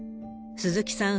鈴木さん